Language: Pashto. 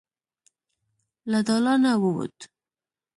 له دالانه ووت.